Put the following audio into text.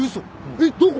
えっどこ？